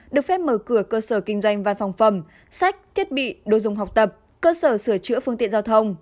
được phép mở cửa cơ sở kinh doanh văn phòng phẩm sách thiết bị đồ dùng học tập cơ sở sửa chữa phương tiện giao thông